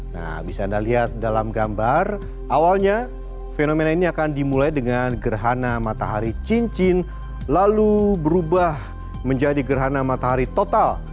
nah bisa anda lihat dalam gambar awalnya fenomena ini akan dimulai dengan gerhana matahari cincin lalu berubah menjadi gerhana matahari total